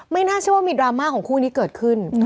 ไม่น่าจะว่ามีดราม่าของคู่นี้เกิดขึ้น